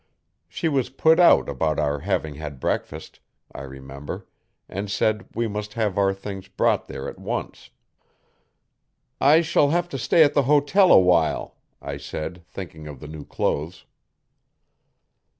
She was put out about our having had breakfast, I remember, and said we must have our things brought there at once. 'I shall have to stay at the hotel awhile,' I said, thinking of the new clothes.